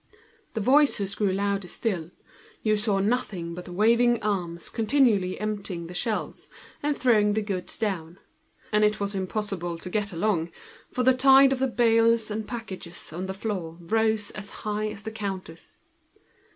The voices got louder still, one saw nothing but the waving of arms continually emptying the shelves, throwing the goods down, and it was impossible to get along, the tide of the bales and piles of goods on the floor rose as high as the counters.